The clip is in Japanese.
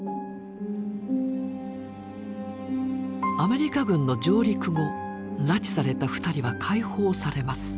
アメリカ軍の上陸後拉致された２人は解放されます。